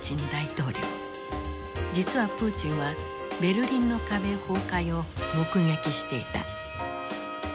実はプーチンはベルリンの壁崩壊を目撃していた。